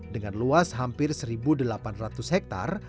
dengan luas hampir seribu delapan ratus hektar